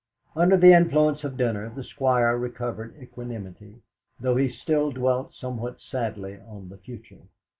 Under the influence of dinner the Squire recovered equanimity, though he still dwelt somewhat sadly on the future.